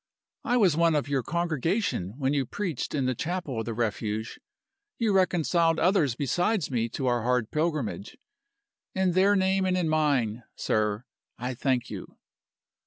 I was one of your congregation when you preached in the chapel of the Refuge You reconciled others besides me to our hard pilgrimage. In their name and in mine, sir, I thank you.